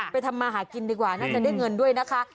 ทำมาหากินดีกว่าน่าจะได้เงินด้วยนะคะ